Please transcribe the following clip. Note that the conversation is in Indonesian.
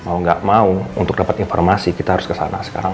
mau nggak mau untuk dapat informasi kita harus kesana sekarang